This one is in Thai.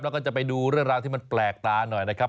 แล้วก็จะไปดูเรื่องราวที่มันแปลกตาหน่อยนะครับ